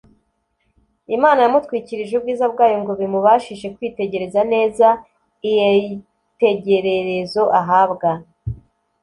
Imana yamutwikirije ubwiza bwayo ngo bimubashishe kwitegereza neza ieyitegererezo ahabwa,